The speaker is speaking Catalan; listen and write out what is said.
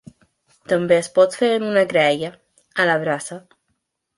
També es pot fer en una graella, a la brasa.